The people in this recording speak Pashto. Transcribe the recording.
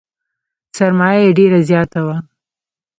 سرمایه یې ډېره زیاته وه .